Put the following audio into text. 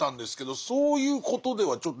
そういうことではちょっとないですね。